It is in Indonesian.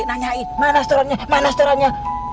nanyain mana setorannya